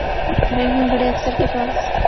bank میں بڑے افسر کے پاس